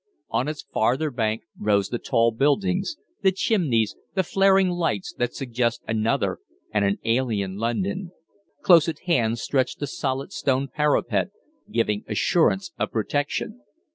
On its farther bank rose the tall buildings, the chimneys, the flaring lights that suggest another and an alien London; close at hand stretched the solid stone parapet, giving assurance of protection.